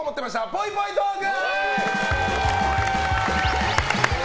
ぽいぽいトーク！